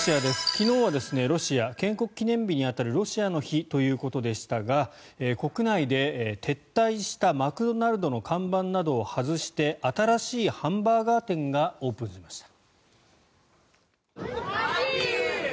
昨日はロシア建国記念日に当たるロシアの日ということでしたが国内で撤退したマクドナルドの看板などを外して新しいハンバーガー店がオープンしました。